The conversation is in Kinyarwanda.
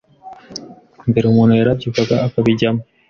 Mbere umuntu yarabyukaga akabijyamo